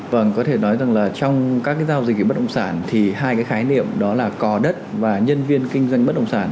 vâng có thể nói rằng là trong các cái giao dịch bất động sản thì hai cái khái niệm đó là cò đất và nhân viên kinh doanh bất động sản